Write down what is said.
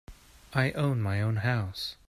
I own my own house.